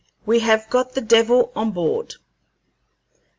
We have got the devil on board."